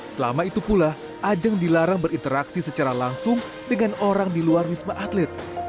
selama itu pula ajang dilarang berinteraksi secara langsung dengan orang di luar wisma atlet